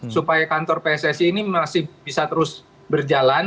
supaya kantor pssi ini masih bisa terus berjalan